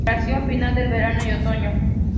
Floración, final del verano y otoño.